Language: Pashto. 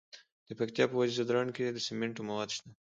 د پکتیا په وزه ځدراڼ کې د سمنټو مواد شته.